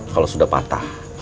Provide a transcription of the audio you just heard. kalau sudah patah